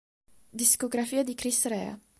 Discografia di Chris Rea